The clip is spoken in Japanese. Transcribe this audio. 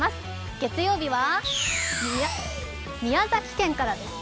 月曜日は宮崎県からですね。